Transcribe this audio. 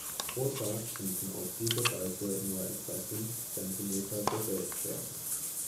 Pro Tag konnten auf diese Weise nur etwa fünf Zentimeter gesägt werden.